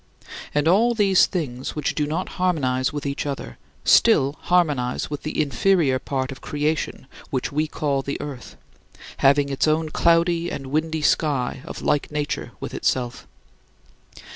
And all these things which do not harmonize with each other still harmonize with the inferior part of creation which we call the earth, having its own cloudy and windy sky of like nature with itself.